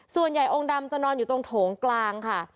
องค์ดำจะนอนอยู่ตรงโถงกลางค่ะ